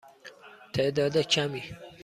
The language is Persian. تعداد کمی.